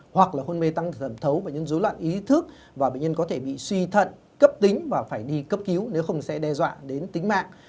hoặc là hôn mê tăng rầm thấu và những dối loạn ý thức và bệnh nhân có thể bị suy thận cấp tính và phải đi cấp cứu nếu không sẽ đe dọa đến tính mạng